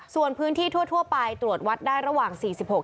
ส่วนพื้นที่ทั่วไปตรวจวัดได้ระหว่างสี่สิบหก